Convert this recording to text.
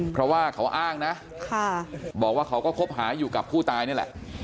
เพราะว่าเขาอ้างนะบอกว่าเขาก็คบหาอยู่กับผู้ตายนี่แหละ